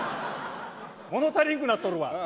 物足りんくなっとるわ！